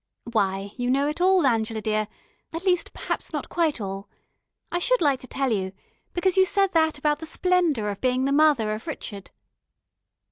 Why, you know it all, Angela dear at least, perhaps not quite all. I should like to tell you because you said that about the splendour of being the mother of Rrchud....